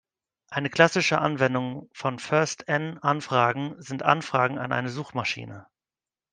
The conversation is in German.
Eine klassische Anwendung von First-N-Anfragen sind Anfragen an eine Suchmaschine.